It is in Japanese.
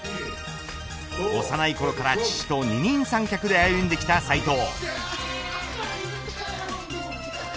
幼いころから父と二人三脚で歩んできた斉藤。